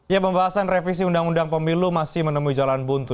ya pembahasan revisi undang undang pemilu masih menemui jalan buntu